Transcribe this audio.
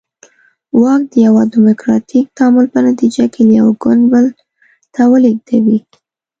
واک د یوه ډیموکراتیک تعامل په نتیجه کې له یو ګوند بل ته ولېږدوي.